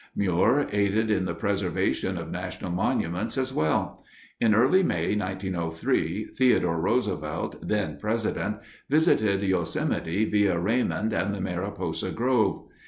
Muir aided in the preservation of national monuments as well. In early May, 1903, Theodore Roosevelt, then president, visited Yosemite via Raymond and the Mariposa Grove.